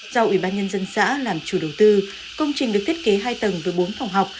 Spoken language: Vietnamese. do ủy ban nhân dân xã làm chủ đầu tư công trình được thiết kế hai tầng với bốn phòng học